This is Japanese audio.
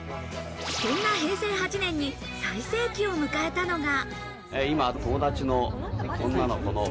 そんな平成８年に最盛期を迎えたのが。